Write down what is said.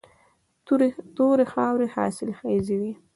تورې خاورې حاصلخیزې وي.